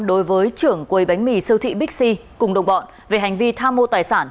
đối với trưởng quầy bánh mì siêu thị bixi cùng đồng bọn về hành vi tham mô tài sản